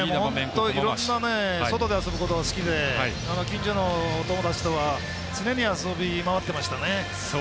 外で遊ぶことが好きで近所のお友達とは常に遊び回ってましたね。